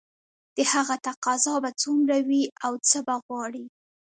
د هغه تقاضا به څومره وي او څه به غواړي